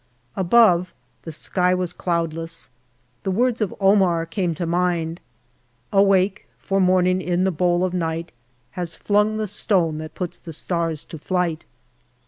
Above, the sky was cloudless. The words of Omar came to mind Awake, for Morning in the bowl of Night Has flung the Stone that puts the Stars to flight.